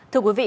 thưa quý vị